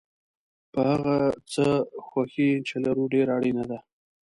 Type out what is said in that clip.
په هغه څه خوښي چې لرو ډېره اړینه ده.